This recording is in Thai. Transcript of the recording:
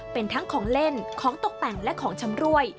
เป็นทั้งของเล่นของตกแต่งและของชำรวย